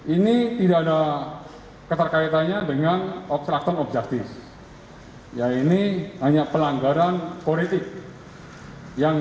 ini tidak ada keterkaitannya dengan obsreakton objektif ya ini hanya pelanggaran politik yang